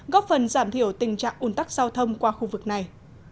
góp phần giảm thiểu tình trạng ủn tắc giao thông qua khu vực này